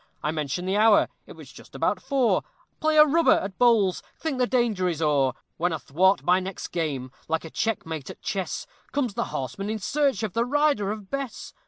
I mention the hour it was just about four Play a rubber at bowls think the danger is o'er; When athwart my next game, like a checkmate at chess, Comes the horsemen in search of the rider of Bess.